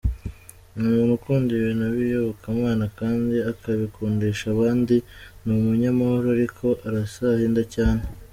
Ni umuntu ukunda ibintu by’iyobokamana kandi akabikundisha abandi, ni umunyamahoro ariko arasahinda cyane.